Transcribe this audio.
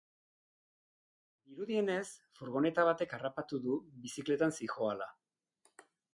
Dirudienez, furgoneta batek harrapatu du, bizikletan zihoala.